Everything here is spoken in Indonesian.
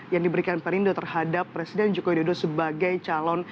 yang diberikan perindo terhadap presiden joko widodo sebagai calon